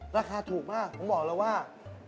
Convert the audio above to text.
ราคาถูกมากผมบอกแล้วว่า